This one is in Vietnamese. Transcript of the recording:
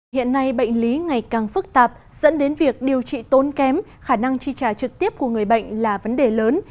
hiện nay bệnh lý ngày càng phức tạp dẫn đến việc điều trị tốn kém khả năng chi trả trực tiếp của người bệnh là vấn đề lớn